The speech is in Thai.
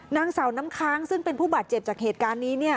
นางสาวน้ำค้างซึ่งเป็นผู้บาดเจ็บจากเหตุการณ์นี้เนี่ย